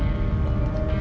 tapi kan ini bukan arah rumah